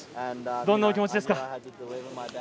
どんなお気持ちですか？